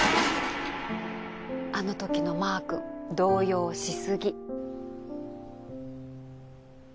あのときのマー君動揺しすぎ。